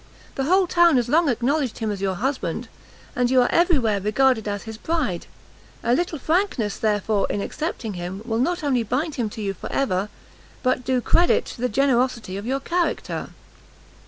The whole town has long acknowledged him as your husband, and you are every where regarded as his bride, a little frankness, therefore, in accepting him, will not only bind him to you for ever, but do credit to the generosity of your character."